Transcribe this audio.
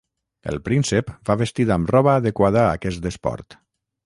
El príncep va vestit amb roba adequada a aquest esport.